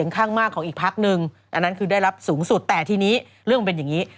ข้างมากของอีกพักนึงอันนั้นคือได้รับสูงสุดแต่ทีนี้เรื่องมันเป็นอย่างนี้